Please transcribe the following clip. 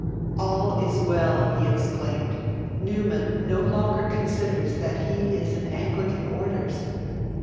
'All is well,' he exclaimed; 'Newman no longer considers that he is in Anglican orders."